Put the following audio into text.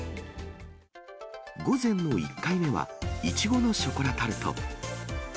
午前の１回目は、いちごのショコラタルト。